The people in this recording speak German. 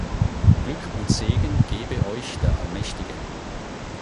Glück und Segen gebe Euch der Allmächtige.